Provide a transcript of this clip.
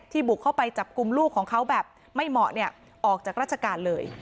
บุกเข้าไปจับกลุ่มลูกของเขาแบบไม่เหมาะเนี่ยออกจากราชการเลย